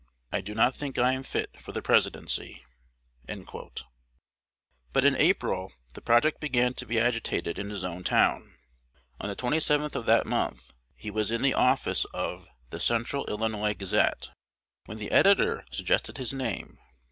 I do not think I am fit for the Presidency." But in April the project began to be agitated in his own town. On the 27th of that month, he was in the office of "The Central Illinois Gazette," when the editor suggested his name.